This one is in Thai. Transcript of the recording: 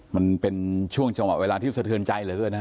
มันเป็นช่วงจังหวะเวลาที่สะเทือนใจเหลือเกินนะฮะ